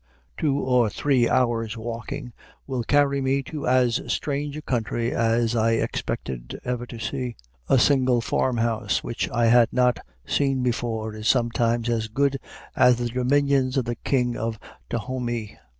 Two or three hours' walking will carry me to as strange a country as I expect ever to see. A single farmhouse which I had not seen before is sometimes as good as the dominions of the King of Dahomey.